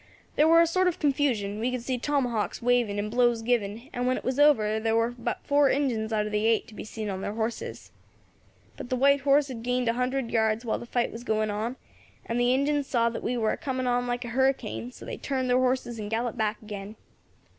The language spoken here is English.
"There was a sort of confusion; we could see tomahawks waving, and blows given, and when it was over there war but four Injins out of the eight to be seen on their horses. But the white horse had gained a hundred yards while the fight was going on, and the Injins saw that we war a coming on like a hurricane, so they turned their horses and galloped back again.